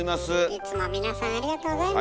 いつも皆さんありがとうございます。